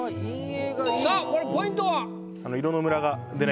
さあこれポイントは？